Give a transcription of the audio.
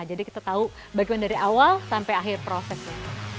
jadi kita tahu bagaimana dari awal sampai akhir prosesnya